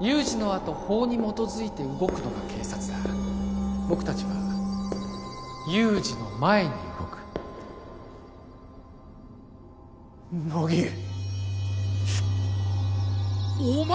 有事のあと法に基づいて動くのが警察だ僕達は有事の前に動く乃木お前